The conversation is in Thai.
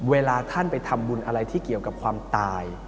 เวลาท่านไปทำบุญอะไรที่เกี่ยวกับความตาย